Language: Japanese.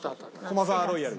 駒沢ロイヤル。